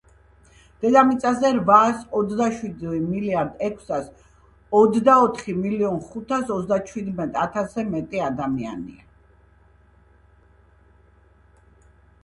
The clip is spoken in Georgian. დედამიწაზე რვაას ოცდაშვიდი მილიარდ ექვსას ოცდაოთხი მილიონ ხუთას ოცდაჩვიდმეტიათასზე მეტი ადამიანია.